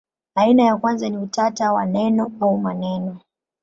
Aina ya kwanza ni utata wa neno au maneno.